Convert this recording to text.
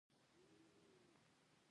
کاندنسر په سب سټیج کې نصب شوی دی.